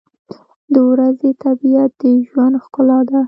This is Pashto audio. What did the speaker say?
• د ورځې طبیعت د ژوند ښکلا ده.